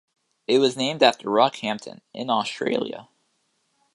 It was named after Rockhampton, in Australia.